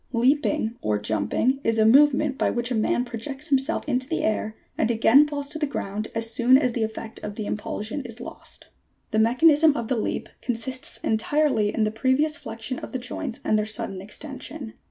91. Leaping or jumping is a movement by which a man pro jects himself into the air and again falls to the ground as soon as the effect of the impulsion is lost. 92. The mechanism of the leap consists entirely in the previous flexion of the joints and their sudden extension.